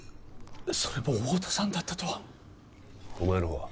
それも太田さんだったとはお前の方は？